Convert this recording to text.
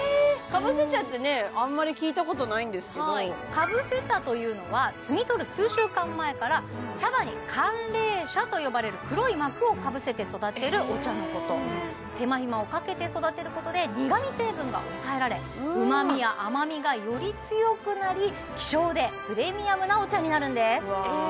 かぶせ茶ってねあんまり聞いたことないんですけどかぶせ茶というのは摘み取る数週間前から茶葉に寒冷しゃと呼ばれる黒いまくをかぶせて育てるお茶のこと手間暇をかけて育てることで苦み成分が抑えられ旨みや甘みがより強くなり希少でプレミアムなお茶になるんですうわ